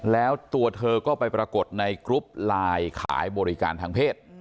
แล้วตัวเธอก็ไปปรากฏในกรุ๊ปไลน์ขายบริการทางเพศ